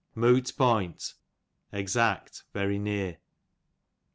Moot point, exact y very near.